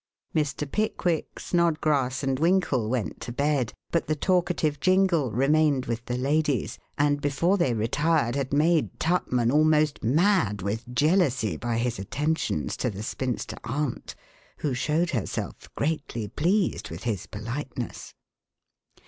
Mr. Pickwick, Snodgrass and Winkle went to bed, but the talkative Jingle remained with the ladies and before they retired had made Tupman almost mad with jealousy by his attentions to the spinster aunt, who showed herself greatly pleased with his politeness.